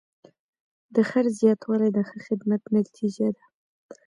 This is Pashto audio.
د خرڅ زیاتوالی د ښه خدمت نتیجه ده.